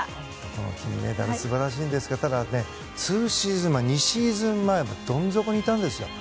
この金メダル素晴らしいんですけどただ、２シーズン前はどん底にいたんですよ。